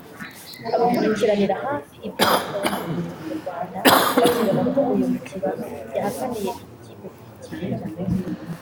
Abakurikiranira hafi iby’umupira w’amaguru mu Rwanda bakibona ko uyu mukinnyi yahakaniye iyi kipe kuyikinira